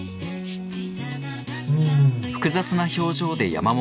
うん。